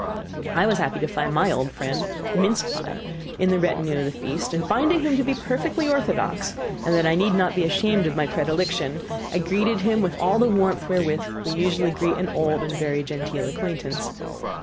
I was happy to find my old friend, minced pie, in the retinue of the feast; and finding him to be perfectly orthodox, and that I need not be ashamed of my predilection, I greeted him with all the warmth wherewith we usually greet an old and very genteel acquaintance.